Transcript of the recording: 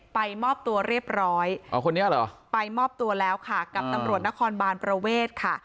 ไปมอบตัวเรียบร้อยไปมอบตัวแล้วค่ะกับนำรวจนครบาลประเวทค่ะ